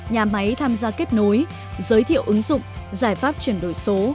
nhà máy tham gia kết nối giới thiệu ứng dụng giải pháp chuyển đổi số